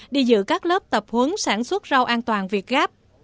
đi giữ các lớp tập hướng sản xuất rau an toàn việc gáp